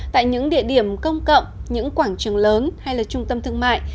tại những địa điểm công cộng những quảng trường lớn hay là trung tâm thương mại